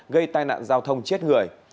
gây tai nạn giao thông chết người